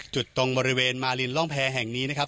ตรงบริเวณมารินร่องแพรแห่งนี้นะครับ